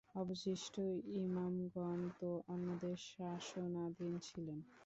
অবশিষ্ট ইমামগণ তো অন্যদের শাসনাধীন ছিলেন।